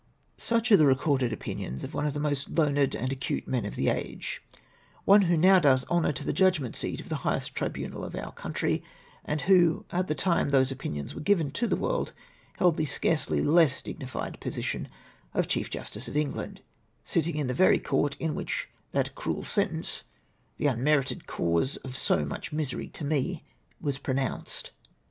Such are the recorded opinions of one of the most learned and acute men of the age, one who now does honour to the judgment seat of the highest tribunal of our country ; and who, at the time those opuiions were given to the world, held the scarcely less dignified position of Chief Justice of England, sitting in the very court m which that cruel sentence — the unmerited cause of so much misery to me — was pronounced.